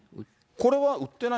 これは売ってない？